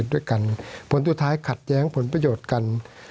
สวัสดีครับทุกคน